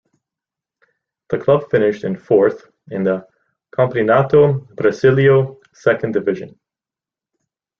The club finished in fourth in the Campeonato Brasileiro Second Division.